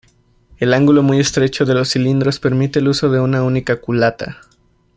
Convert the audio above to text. El ángulo muy estrecho de los cilindros permite el uso de una única culata.